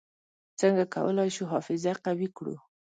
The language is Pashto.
څنګه کولای شو حافظه قوي کړو؟